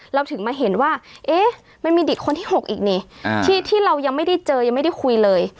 เราถึงมาเห็นว่าเอ๊ะมันมีเด็กคนที่๖อีกนี่ที่เรายังไม่ได้เจอยังไม่ได้คุยเลย